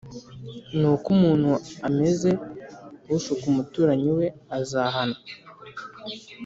Ni ko umuntu ameze ushuka umuturanyi we azahanwa